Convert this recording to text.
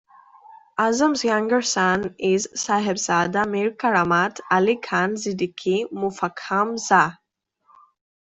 Azam's younger son is Sahebzada Mir Karamat Ali Khan Siddiqi Muffakham Jah.